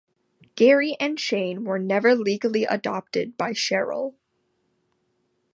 Gary and Shane were never legally adopted by Sheryl.